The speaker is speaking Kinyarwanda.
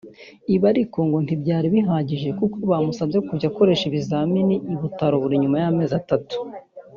Ibi ariko ngo ntibyari bihagije kuko bamusabye kujya akoresha ibizamini i Butaro buri nyuma y’amezi atatu